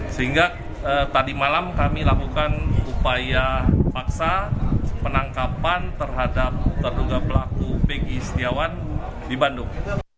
sehingga tadi malam kami lakukan upaya paksa penangkapan terhadap terduga pelaku pegi setiawan di bandung